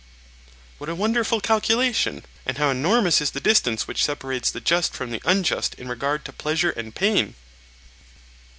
What a wonderful calculation! And how enormous is the distance which separates the just from the unjust in regard to pleasure and pain!